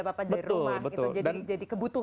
apa apa dari rumah gitu jadi kebutuhan